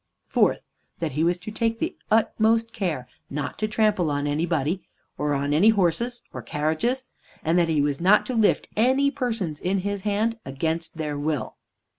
Fourth, that he was to take the utmost care not to trample on anybody, or on any horses or carriages, and that he was not to lift any persons in his hand against their will.